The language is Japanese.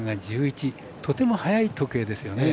とても早い時計ですよね。